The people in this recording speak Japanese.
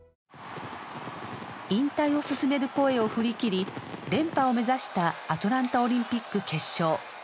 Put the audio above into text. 引退を勧める声を振り切り連覇を目指したアトランタオリンピック決勝。